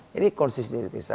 jadi konsistensi bisa